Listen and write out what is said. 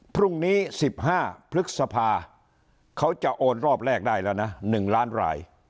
พรุ่งนี้๑๕พฤษภาเขาจะโอนรอบแรกได้แล้วนะ๑ล้านราย